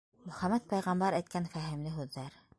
Мөхәммәт пәйғәмбәр әйткән фәһемле һүҙҙәр.